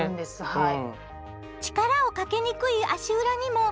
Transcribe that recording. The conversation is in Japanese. はい。